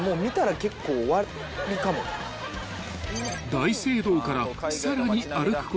［大聖堂からさらに］